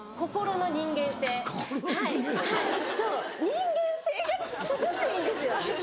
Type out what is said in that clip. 人間性が特にいいんですよ。